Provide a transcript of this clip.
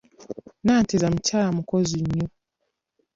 Nanteza mukyala mukozi nnyo.